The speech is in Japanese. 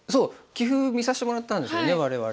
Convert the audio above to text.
棋譜見させてもらったんですよね我々。